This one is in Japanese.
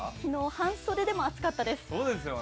半袖でも暑かったです。